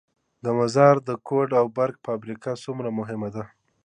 د مزار د کود او برق فابریکه څومره مهمه ده؟